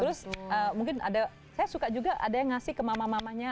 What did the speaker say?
terus mungkin ada saya suka juga ada yang ngasih ke mama mamanya